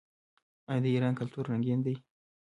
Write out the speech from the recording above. آیا د ایران کلتور رنګین نه دی؟